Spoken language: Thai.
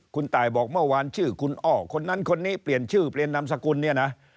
คุณตายบอกเมื่อวานชื่อคุณอ้อคนนั้นคนนี้เปลี่ยนชื่อเปลี่ยนนามสกุลเนี่ยนะ